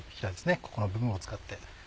ここの部分を使って。